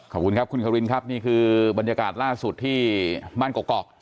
ขอบคุณครับคุณควินครับนี่คือบรรยากาศล่าสุดที่บ้านกอก